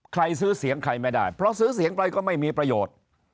ซื้อเสียงใครไม่ได้เพราะซื้อเสียงไปก็ไม่มีประโยชน์